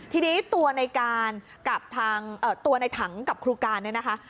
ทีนี้ตัวในการกับทางตัวในถังกับครูการเนี่ยนะคะ